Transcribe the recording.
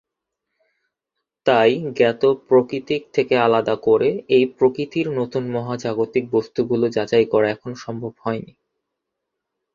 তাই জ্ঞাত প্রকৃতির থেকে আলাদা করে এই প্রকৃতির নতুন মহাজাগতিক বস্তুগুলি যাচাই করা এখনও সম্ভব হয়নি।